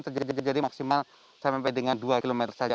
terjadi jadi maksimal sampai dengan dua km saja